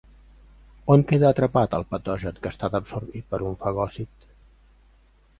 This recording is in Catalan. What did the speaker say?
On queda atrapat el patogen que ha estat absorbit per un fagòcit?